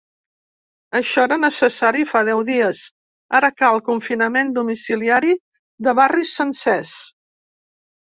Això era necessari fa deu dies, ara cal confinament domiciliari de barris sencers.